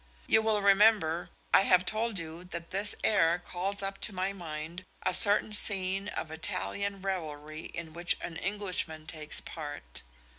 You will remember I have told you that this air calls up to my mind a certain scene of Italian revelry in which an Englishman takes part.